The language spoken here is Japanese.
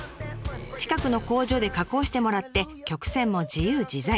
近くの工場で加工してもらって曲線も自由自在。